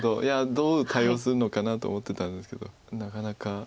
いやどう対応するのかなと思ってたんですけどなかなか。